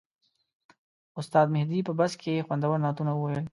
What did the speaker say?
استاد مهدي په بس کې خوندور نعتونه وویل.